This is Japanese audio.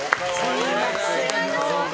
よろしくお願いします。